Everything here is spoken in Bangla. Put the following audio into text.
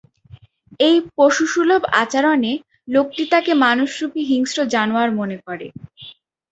এ পশুসুলভ আচরণে লোকটি তাকে মানুষরূপী হিংস্র জানোয়ার মনে করে।